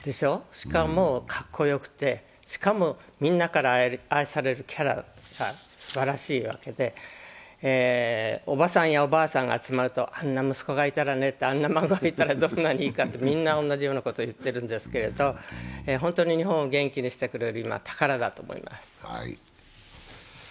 しかも、かっこよくて、しかも、みんなから愛されるキャラがすばらしいわけで、おばさんやおばあさんが集まると、あんな息子がいたらね、あんな孫がいたらどんなにいいかって、みんな同じようなことを言っているんですけれど本当に日本を元気にしてくれるような宝だと思います。